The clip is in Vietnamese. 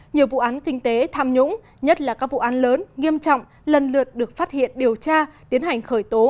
nhiều vụ án kinh tế tham nhũng nhất là các vụ án lớn nghiêm trọng lần lượt được phát hiện điều tra tiến hành khởi tố